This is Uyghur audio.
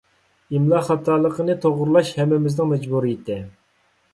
ئىملا خاتالىقىنى توغرىلاش ھەممىمىزنىڭ مەجبۇرىيىتى.